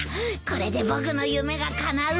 これで僕の夢がかなうぞ。